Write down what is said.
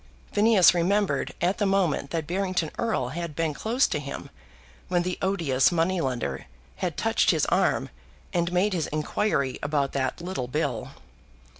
Phineas remembered at the moment that Barrington Erle had been close to him when the odious money lender had touched his arm and made his inquiry about that "little bill."